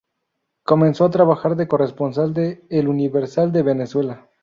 Comenzó a trabajar de corresponsal de "El Universal" de Venezuela.